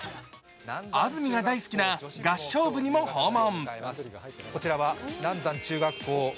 安住が大好きな合唱部にも訪問。